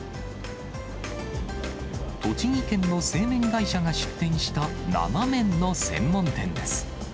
栃木県の製麺会社が出店した生麺の専門店です。